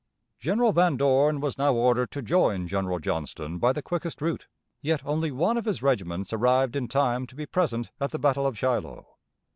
General Van Dorn was now ordered to join General Johnston by the quickest route. Yet only one of his regiments arrived in time to be present at the battle of Shiloh.